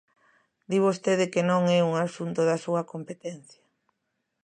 Di vostede que non é un asunto da súa competencia.